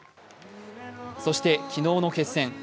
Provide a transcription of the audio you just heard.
そして昨日の決戦。